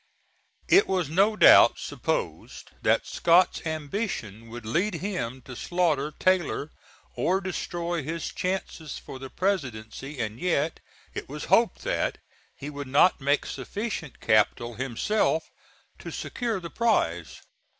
It was no doubt supposed that Scott's ambition would lead him to slaughter Taylor or destroy his chances for the Presidency, and yet it was hoped that he would not make sufficient capital himself to secure the prize.